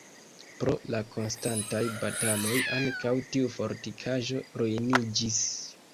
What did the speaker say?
Pro la konstantaj bataloj ankaŭ tiu fortikaĵo ruiniĝis.